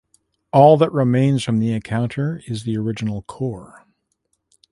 All that remains from the encounter is the original core.